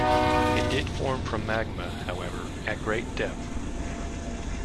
It did form from magma, however, at great depth.